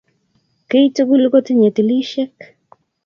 kiy tugul kotinye tilishek